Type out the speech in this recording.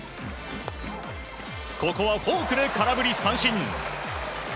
ここはフォークで空振り三振。